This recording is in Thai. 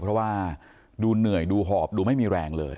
เพราะว่าดูเหนื่อยดูหอบดูไม่มีแรงเลย